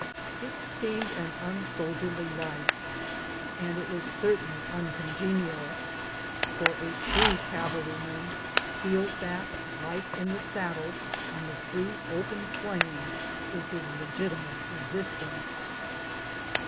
It seemed an unsoldierly life, and it was certainly uncon genial ; for a true cavalryman feels that a life in the saddle on the free open plain is his legitimate exist ence.